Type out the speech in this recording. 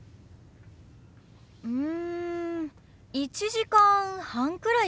うん１時間半くらいかな。